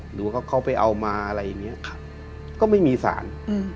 หรือว่าเขาเข้าไปเอามาอะไรอย่างเงี้ยครับก็ไม่มีสารอืม